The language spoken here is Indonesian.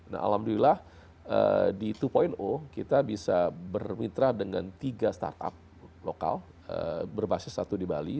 nah alhamdulillah di dua kita bisa bermitra dengan tiga startup lokal berbasis satu di bali